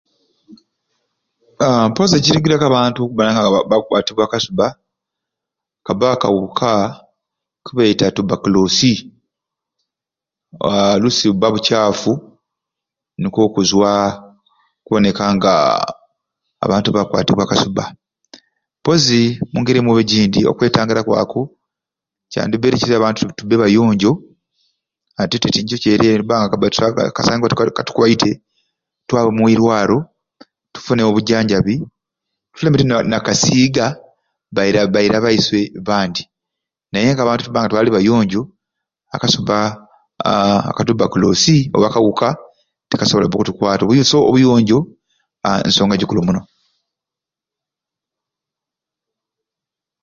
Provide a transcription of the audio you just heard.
Aa mpozi ekirugireku abantu okubba nga bakukwatibwa akasubba kabba kawuka kibeeta tubakulossi aa oluusi bubba bucaafu nikwo kuzwa okuboneka nga abantu bakukwatibwa akasubba mpozi omungeri emwe oba egindi okwetangira kwako kyandibbaire kisai abantu tubbe bayonjo ate tinikyo kyereere nitu ntusangibwa nga kabba kabbaire katukwaite twabe omwirwaro tufune obujanjabi tuleme tte naka nakasiiga bai baira baiswe bandi naye abantu nitwali nga tuli bayonjo akasubba aa akatubbakilossi oba akawuka tigasobola bbe kutukwata obuyonjo aa nsonga gikulu muno